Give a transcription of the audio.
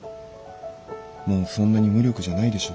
もうそんなに無力じゃないでしょ。